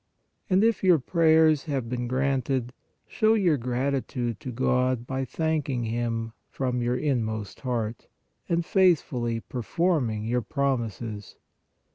And if your prayers have been granted, show your gratitude to God by thanking Him from your inmost heart, and faithfully per forming your promises.